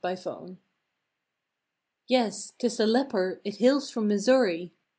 A LEPER Yes, 'tis a leper! It hails from Missouri!